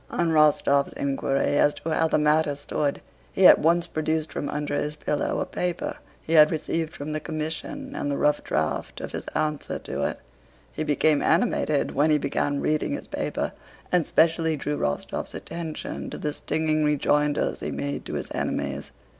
On Rostóv's inquiry as to how the matter stood, he at once produced from under his pillow a paper he had received from the commission and the rough draft of his answer to it. He became animated when he began reading his paper and specially drew Rostóv's attention to the stinging rejoinders he made to his enemies.